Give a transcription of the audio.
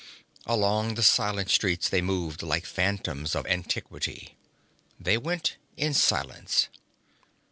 Along the silent streets they moved like phantoms of antiquity. They went in silence.